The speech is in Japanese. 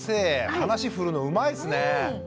話振るのうまいですね！